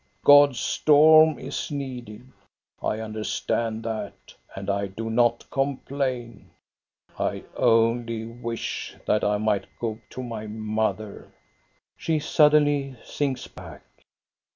God's storm is needed. I understand that, and I do not complain. I only wish that I might go to my mother." THE YOUNG COUNTESS 1 83 She suddenly sinks back.